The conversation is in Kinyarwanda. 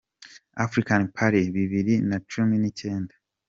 African Party bibiri na cumi n’icyenda